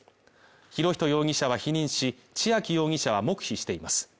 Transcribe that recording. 博仁容疑者は否認し、千秋容疑者は黙秘しています。